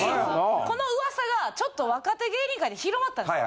この噂がちょっと若手芸人界で広まったんです。